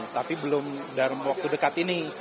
tapi belum dalam waktu dekat ini